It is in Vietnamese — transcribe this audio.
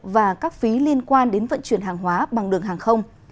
và các phí liên quan đến vận chuyển hàng hóa bằng đường hàng không